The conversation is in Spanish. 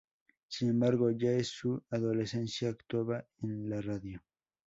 Sin embargo, ya en su adolescencia actuaba en la radio.